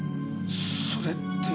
それって。